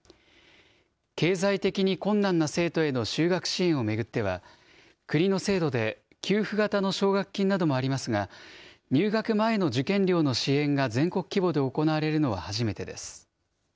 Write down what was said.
経済的に困難な生徒への修学支援を巡っては、国の制度で給付型の奨学金などもありますが、入学前の受験料の支援が全国規模で行われるのは初めてです。